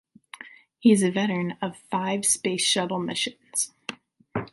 He is a veteran of five Space Shuttle missions.